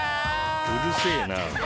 うるせえな。